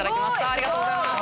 ありがとうございます。